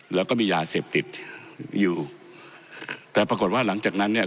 แล้วก็มียาเสพติดอยู่แต่ปรากฏว่าหลังจากนั้นเนี่ย